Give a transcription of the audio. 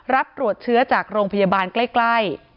รับตรวจเชื้อจากโรงพยาบาลใกล้